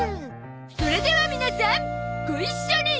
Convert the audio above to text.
それでは皆さんご一緒に！